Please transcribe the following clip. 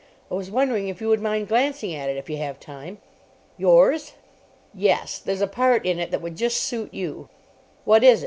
I was wondering if you would mind glancing at it if you have time?" "Yours?" "Yes. There's a part in it that would just suit you." "What is it?